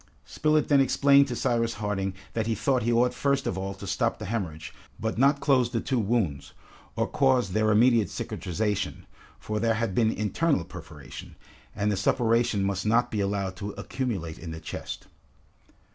Spilett then explained to Cyrus Harding that he thought he ought first of all to stop the hemorrhage, but not close the two wounds, or cause their immediate cicatrization, for there had been internal perforation, and the suppuration must not be allowed to accumulate in the chest.